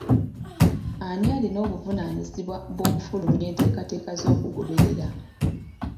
Ani alina obuvunaanyizibwa bw'okufulumya enteekateeka z'okugoberera?